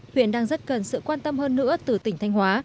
huyện đang rất cần sự quan tâm hơn nữa từ tỉnh thanh hóa